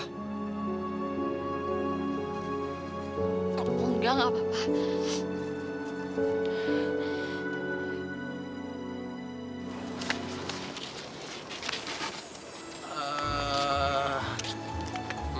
kamu udah ga apa apa